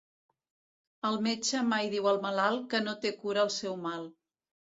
El metge mai diu al malalt que no té cura el seu mal.